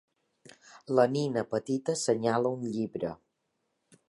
La nena petita senyala un llibre.